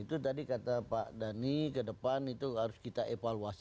itu tadi kata pak dhani ke depan itu harus kita evaluasi